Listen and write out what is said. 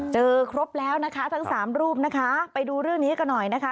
เจอครบแล้วนะคะทั้งสามรูปนะคะไปดูเรื่องนี้กันหน่อยนะคะ